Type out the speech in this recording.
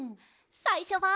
さいしょは。